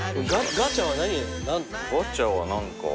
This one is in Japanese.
ガチャは何か。